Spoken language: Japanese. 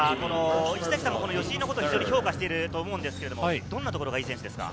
石崎さんも吉井のことを評価していると思いますが、どんなところがいい選手ですか？